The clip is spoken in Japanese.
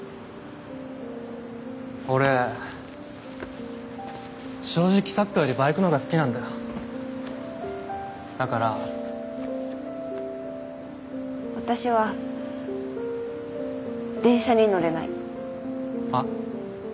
俺正直サッカーよりバイクのほうが好きだから私は電車に乗れないはっ？